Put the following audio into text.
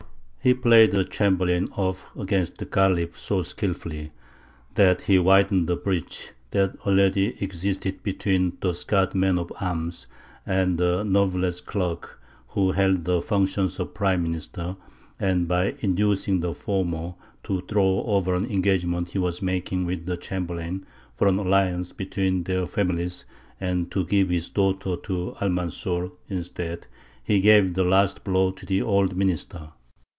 He played the chamberlain off against Ghālib so skilfully, that he widened the breach that already existed between the scarred man of arms and the nerveless clerk who held the functions of Prime Minister, and by inducing the former to throw over an engagement he was making with the chamberlain for an alliance between their families, and to give his daughter to Almanzor instead, he gave the last blow to the old minister.